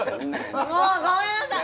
もうごめんなさい！